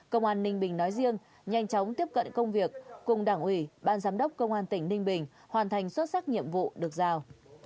công an ninh bình nói riêng nhanh chóng tiếp cận công việc cùng đảng ủy ban giám đốc công an tỉnh ninh bình hoàn thành xuất sắc nhiệm vụ được giao